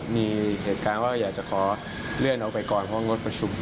มีเหตุการณ์ว่าอยากจะขอเลื่อนออกไปก่อนเพราะงดประชุม